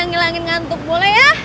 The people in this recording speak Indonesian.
ngilangin ngantuk boleh ya